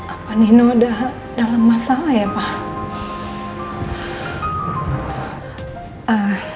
apa nino sudah dalam masalah ya pak